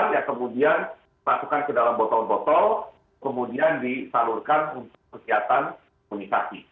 yang kemudian masukkan ke dalam botol botol kemudian disalurkan untuk kegiatan imunisasi